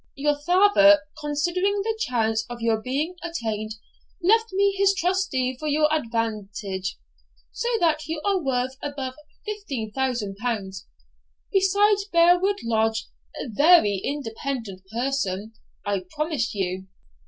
Your father, considering the chance of your being attainted, left me his trustee for your advantage. So that you are worth above L15,000, besides Brere Wood Lodge a very independent person, I promise you.